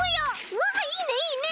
うわいいねいいね！